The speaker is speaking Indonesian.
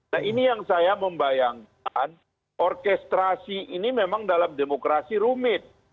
nah ini yang saya membayangkan orkestrasi ini memang dalam demokrasi rumit